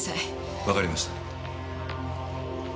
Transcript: わかりました。